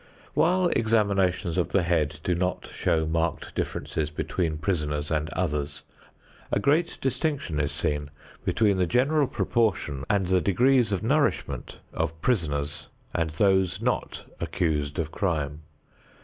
While examinations of the head do not show marked differences between prisoners and others, a great distinction is seen between the general proportion and the degrees of nourishment of prisoners and those not accused of crime.